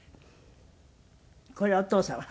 これはお父様？